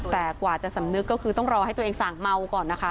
แต่กว่าจะสำนึกก็คือต้องรอให้ตัวเองสั่งเมาก่อนนะคะ